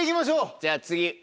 じゃあ次。